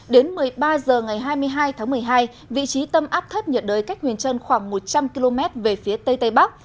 đến một mươi ba h ngày hai mươi hai tháng một mươi hai vị trí tâm áp thấp nhiệt đới cách huyền trân khoảng một trăm linh km về phía tây tây bắc